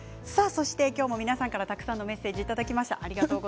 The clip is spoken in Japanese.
皆さんから、たくさんのメッセージをいただきました。